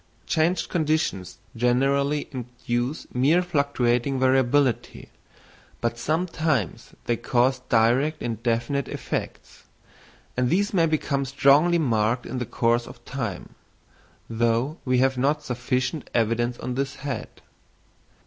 Changed conditions generally induce mere fluctuating variability, but sometimes they cause direct and definite effects; and these may become strongly marked in the course of time, though we have not sufficient evidence on this head.